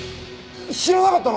知らなかったの？